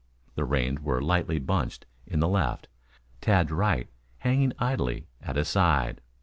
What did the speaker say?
The reins were lightly bunched in the left, Tad's right hanging idly at his side.